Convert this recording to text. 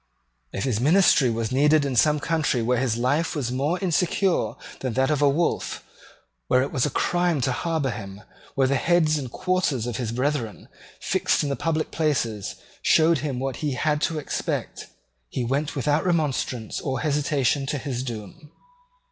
If his ministry was needed in some country where his life was more insecure than that of a wolf, where it was a crime to harbour him, where the heads and quarters of his brethren, fixed in the public places, showed him what he had to expect, he went without remonstrance or hesitation to his doom.